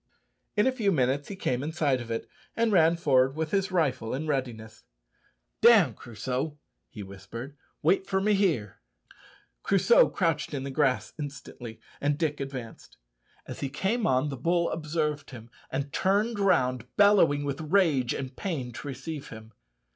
In a few minutes he came in sight of it, and ran forward with his rifle in readiness. "Down, Crusoe," he whispered; "wait for me here." Crusoe crouched in the grass instantly, and Dick advanced. As he came on, the bull observed him, and turned round bellowing with rage and pain to receive him.